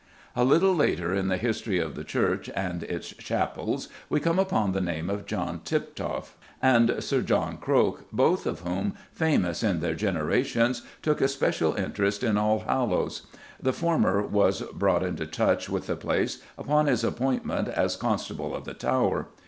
A little later in the history of the church and its chapels we come upon the names of John Tiptoft and Sir John Croke, both of whom, famous in their generations, took especial interest in Allhallows. The former was brought into touch with the place upon his appointment as Constable of the Tower.